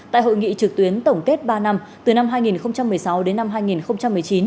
tại hội nghị trực tuyến tổng kết ba năm từ năm hai nghìn một mươi sáu đến năm hai nghìn một mươi chín